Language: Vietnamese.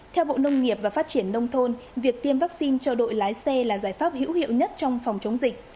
theo bộ nông nghiệp và phát triển nông thôn việc tiêm vaccine cho đội lái xe là giải pháp hữu hiệu nhất trong phòng chống dịch